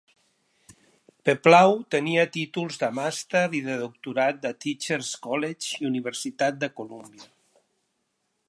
Peplau tenia títols de màster i de doctorat de Teachers College, Universitat de Columbia.